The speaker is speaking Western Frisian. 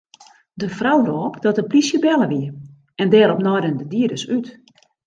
De frou rôp dat de polysje belle wie en dêrop naaiden de dieders út.